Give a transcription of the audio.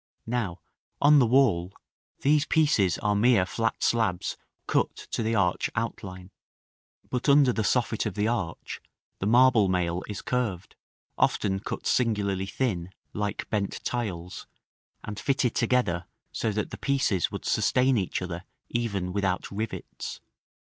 Now, on the wall, these pieces are mere flat slabs cut to the arch outline; but under the soffit of the arch the marble mail is curved, often cut singularly thin, like bent tiles, and fitted together so that the pieces would sustain each other even without rivets.